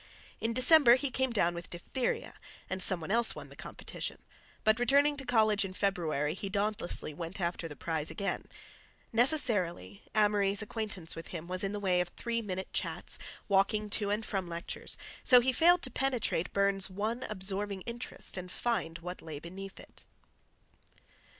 In December he came down with diphtheria, and some one else won the competition, but, returning to college in February, he dauntlessly went after the prize again. Necessarily, Amory's acquaintance with him was in the way of three minute chats, walking to and from lectures, so he failed to penetrate Burne's one absorbing interest and find what lay beneath it.